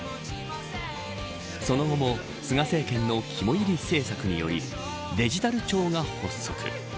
その後も菅政権の肝いり政策によりデジタル庁が発足。